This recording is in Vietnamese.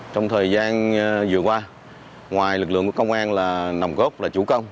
trong thời gian vừa qua ngoài lực lượng của công an là nồng cốt là chủ công